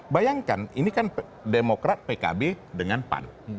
bayangkan ini kan demokrat pkb dengan pan